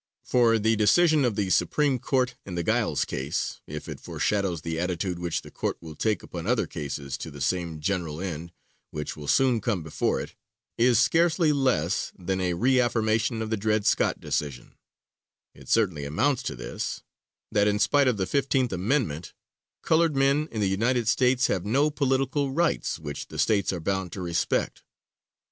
For the decision of the Supreme Court in the Giles case, if it foreshadows the attitude which the Court will take upon other cases to the same general end which will soon come before it, is scarcely less than a reaffirmation of the Dred Scott decision; it certainly amounts to this that in spite of the Fifteenth Amendment, colored men in the United States have no political rights which the States are bound to respect.